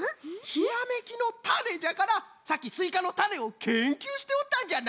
ひらめきのタネじゃからさっきスイカのたねをけんきゅうしておったんじゃな！